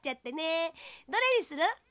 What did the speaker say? どれにする？